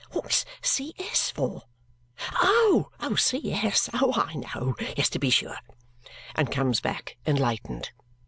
What's C.S. for? Oh! C.S.! Oh, I know! Yes, to be sure!" And comes back enlightened.